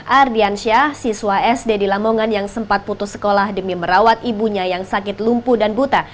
ardiansyah siswa sd di lamongan yang sempat putus sekolah demi merawat ibunya yang sakit lumpuh dan buta